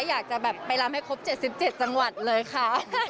อยากจะแบบไปลำให้ครบ๗๗จังหวัดเลยค่ะ